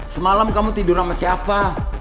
semalam kamu tidur sama siapa